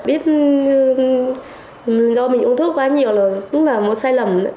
biết do mình uống thuốc quá nhiều là cũng là một sai lầm